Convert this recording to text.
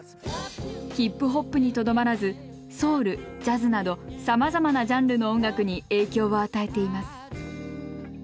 ヒップホップにとどまらずソウルジャズなどさまざまなジャンルの音楽に影響を与えています。